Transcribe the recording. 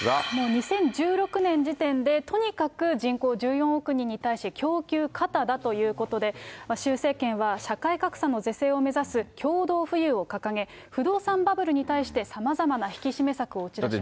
２０１６年時点で、とにかく人口１４億人に対し、供給過多だということで、習政権は社会格差の是正を目指す共同富裕を掲げ、不動産バブルに対してさまざまな引き締め策を打ち出しました。